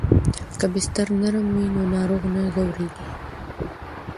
که بستر نرم وي نو ناروغ نه ځورېږي.